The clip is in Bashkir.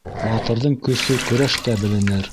Батырҙың көсө көрәштә беленер.